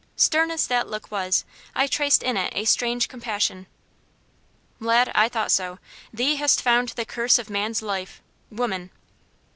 Stern as that look was, I traced in it a strange compassion. "Lad, I thought so. Thee hast found the curse of man's life woman."